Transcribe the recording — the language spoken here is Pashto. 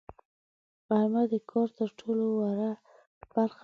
غرمه د کار تر ټولو وروه برخه ده